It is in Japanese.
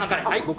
はい！